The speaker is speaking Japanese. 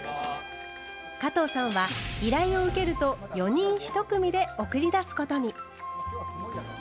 加藤さんは依頼を受けると４人１組で送り出すことに。